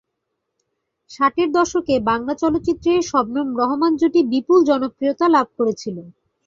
ষাটের দশকে বাংলা চলচ্চিত্রে শবনম-রহমান জুটি বিপুল জনপ্রিয়তা লাভ করেছিল।